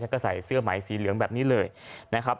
แล้วก็ใส่เสื้อไหมสีเหลืองแบบนี้เลยนะครับ